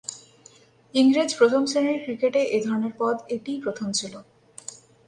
ইংরেজ প্রথম-শ্রেণীর ক্রিকেটে এ ধরনের পদ এটিই প্রথম ছিল।